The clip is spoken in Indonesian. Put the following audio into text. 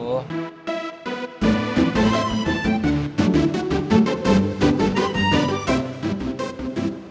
lo jahat banget